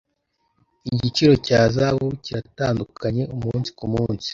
Igiciro cya zahabu kiratandukanye umunsi kumunsi.